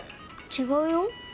違うよ。